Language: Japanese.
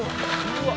うわ。